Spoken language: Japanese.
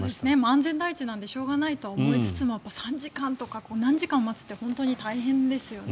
安全第一なのでしょうがないと思いつつも何時間も待つって本当に大変ですよね。